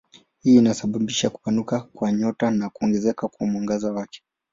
Hii inasababisha kupanuka kwa nyota na kuongezeka kwa mwangaza wake.